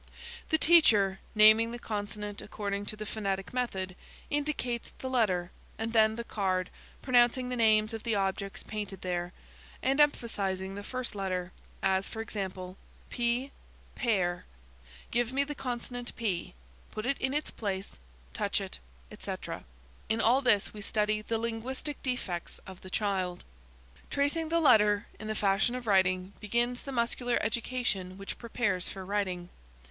"The teacher, naming the consonant according to the phonetic method, indicates the letter, and then the card, pronouncing the names of the objects painted there, and emphasizing the first letter, as, for example, 'p pear: give me the consonant p –put it in its place, touch it,' etc. In all this we study the linguistic defects of the child. "Tracing the letter, in the fashion of writing, begins the muscular education which prepares for writing.